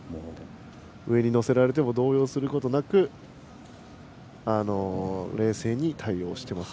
上に乗せられても動揺することなく冷静に対応しています。